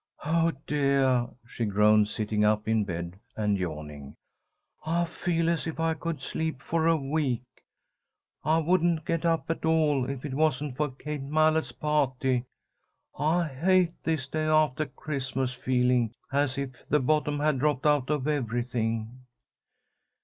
"Oh, deah!" she groaned, sitting up in bed and yawning. "I feel as if I could sleep for a week. I wouldn't get up at all if it wasn't for Katie Mallard's pah'ty. I hate this day aftah Christmas feeling, as if the bottom had dropped out of everything."